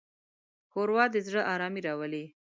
ښوروا د زړه ارامي راولي.